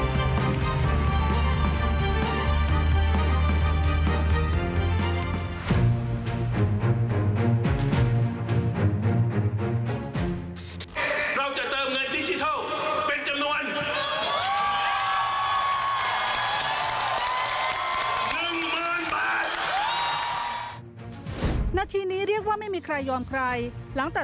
เราจะเติมเงินดิจิทัลเป็นจำนวน